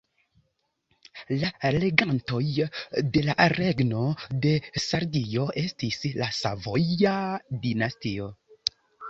La regantoj de la Regno de Sardio estis la Savoja dinastio.